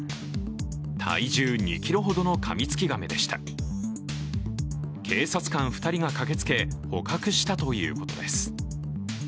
体重２ｋｇほどのカミツキガメでした警察官２人が駆けつけ捕獲したということです。